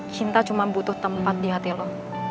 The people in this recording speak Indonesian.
cinta cuma butuh tempat di hati lo